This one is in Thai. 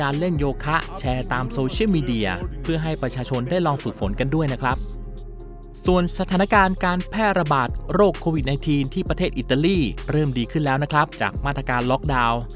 โรคโควิด๑๙ที่ประเทศอิตาลีเริ่มดีขึ้นแล้วจากมาตรการล็อคดาวน์